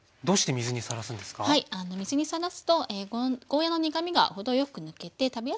水にさらすとゴーヤーの苦みが程よく抜けて食べやすくなりますね。